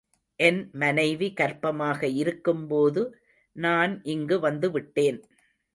என் மனைவி கர்ப்பமாக இருக்கும்போது நான் இங்கு வந்து விட்டேன்.